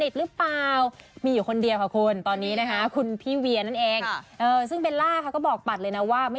เหมือนเดิมค่ะ